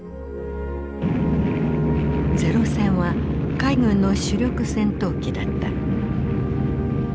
零戦は海軍の主力戦闘機だった。